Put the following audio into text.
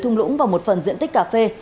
thung lũng và một phần diện tích cà phê